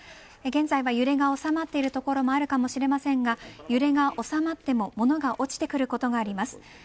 現在は揺れが収まっている所もあるかもしれませんが揺れが収まっても物が落ちてくることがあります。